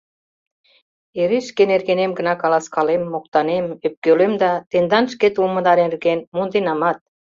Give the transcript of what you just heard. Эре шке нергенем гына каласкалем, моктанем, ӧпкелем да тендан шкет улмыда нерген монденамат.